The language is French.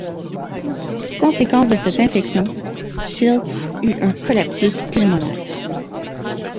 Conséquence de cette infection, Shilts eut un collapsus pulmonaire.